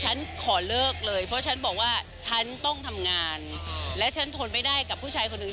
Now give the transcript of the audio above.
จนเราโปร่งแล้วอ่ะหลังก็เลยว่าเออหาทางอ้อนแนวอ้อนก็หลังก็พยายามมาถึงจุดตรงกลาง